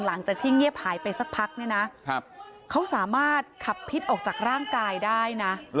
หลังจากที่เงียบหายไปสักพักเนี่ยนะเขาสามารถขับพิษออกจากร่างกายได้นะ